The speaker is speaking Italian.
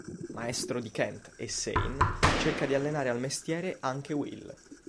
Maestro di Kent e Sain, cerca di allenare al mestiere anche Will.